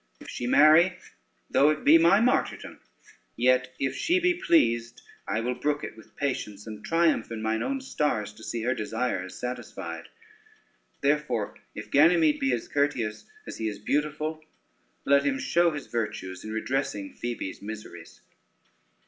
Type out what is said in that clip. If she marry, though it be my martyrdom, yet if she be pleased I will brook it with patience, and triumph in mine own stars to see her desires satisfied. Therefore, if Ganymede be as courteous as he is beautiful, let him show his virtues in redressing Phoebe's miseries."